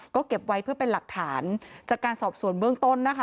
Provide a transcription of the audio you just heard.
ก็เก็บไว้เพื่อเป็นหลักฐานจากการสอบส่วนเบื้องต้นนะคะ